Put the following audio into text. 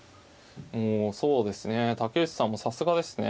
もうそうですね竹内さんもさすがですね。